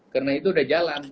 karena itu udah jalan